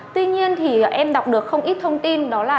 tuy nhiên thì em đọc được không ít thông tin đó là